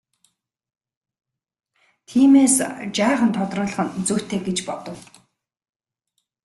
Тиймээс жаахан тодруулах нь зүйтэй гэж бодов.